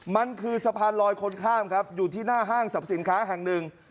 มันคือสะพานลอยคนข้ามครับอยู่ที่หน้าห้างสรรพสินค้าแห่งหนึ่ง